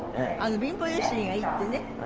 貧乏揺すりがいいってね。